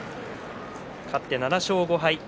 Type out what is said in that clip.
勝って７勝５敗。